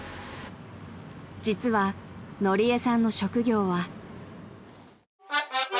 ［実はのりえさんの職業は］